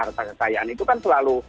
rekayasa rekayasa itu kan selalu